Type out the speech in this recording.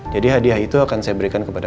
jadi hadiah itu akan saya berikan kepada